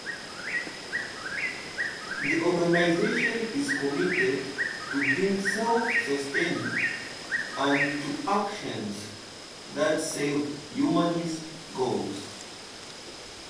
The organization is committed to being self-sustaining and to actions that serve humanist goals.